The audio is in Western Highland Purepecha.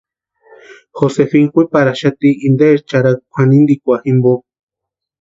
Josefina kwiparhatixati interi charakuni kwʼanintikwa jimpo.